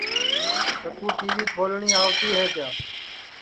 چکُو ٹی وی کھولٹؔی آوتی ہے کیا